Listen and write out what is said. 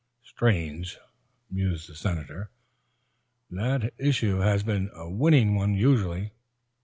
"Strange," mused the Senator. "That issue has been a winning one usually."